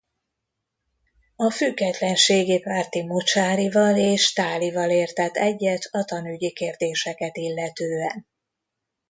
A függetlenségi párti Mocsáryval és Thalyval értett egyet a tanügyi kérdéseket illetően.